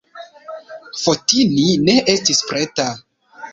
Fotini ne estis preta.